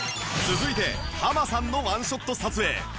続いてハマさんのワンショット撮影